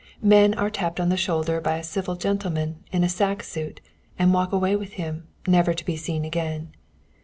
Men are tapped on the shoulder by a civil gentleman in a sack suit, and walk away with him, never to be seen again.